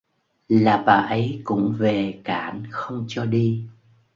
là bà ấy cũng về cản không cho đi